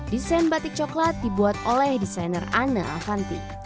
desain batik coklat dibuat oleh desainer ana avanti